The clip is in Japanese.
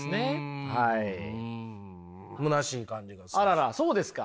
あららそうですか。